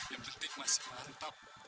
yang detik masih mantap